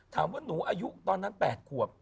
ถามว่าหนูอายุตอนนั้น๘ขวบ